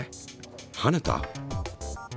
はねた？